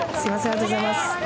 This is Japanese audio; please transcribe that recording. ありがとうございます。